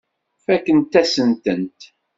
Fakkent-asen-tent.